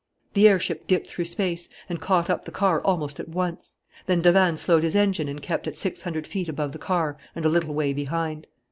The airship dipped through space and caught up the car almost at once. Then Davanne slowed his engine and kept at six hundred feet above the car and a little way behind.